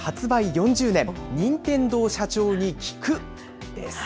４０年、任天堂社長に聞くです。